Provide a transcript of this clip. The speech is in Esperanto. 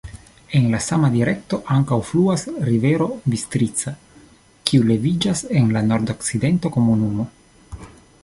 En la sama direkto ankaŭ fluas rivero Bistrica, kiu leviĝas en la nordokcidento komunumo.